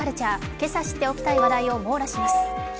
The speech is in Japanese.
今朝知って起きたい話題を網羅します。